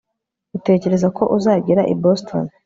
utekereza ko uzagera i boston